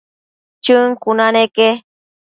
Chën cuna neque